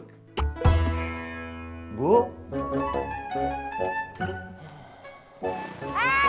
bagaikan tentara yang sedang berbaris menjulur